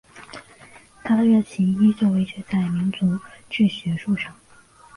他的热情依旧维持在民族志学术上。